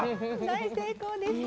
大成功です。